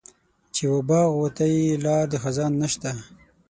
چې و باغ وته یې لار د خزان نشته.